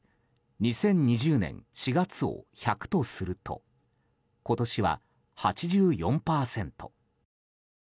２０２０年４月を１００とすると今年は８４％。